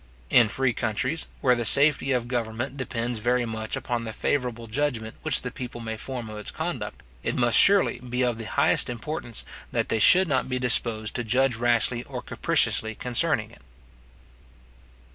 In free countries, where the safety of government depends very much upon the favourable judgment which the people may form of its conduct, it must surely be of the highest importance, that they should not be disposed to judge rashly or capriciously concerning it.